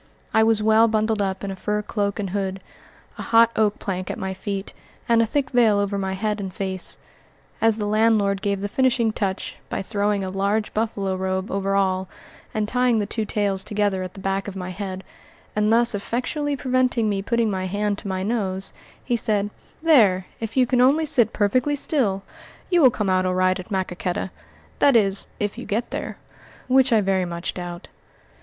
I was well bundled up in a fur cloak and hood, a hot oak plank at my feet, and a thick veil over my head and face. As the landlord gave the finishing touch, by throwing a large buffalo robe over all and tying the two tails together at the back of my head and thus effectually preventing me putting my hand to my nose, he said, "There, if you can only sit perfectly still, you will come out all right at Maquoketa; that is, if you get there, which I very much doubt."